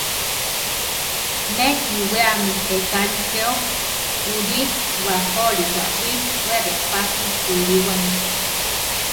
Ne iwéami ekáli chéo: wúli bakóli bawí we repási wiliwámi.